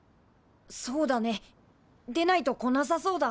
そうだねでないと来なさそうだ。